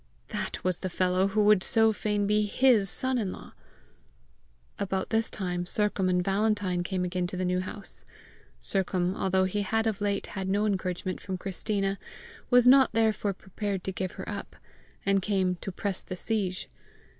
That was the fellow who would so fain be HIS son in law! About this time Sercombe and Valentine came again to the New House. Sercombe, although he had of late had no encouragement from Christina, was not therefore prepared to give her up, and came "to press the siege."